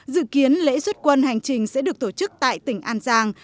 dự kiến lễ xuất quân hành trình sẽ được tổ chức tại tỉnh an giang